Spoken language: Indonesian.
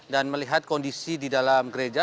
dan melihat kondisi di dalam gereja